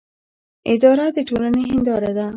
اداره د ټولنې هنداره ده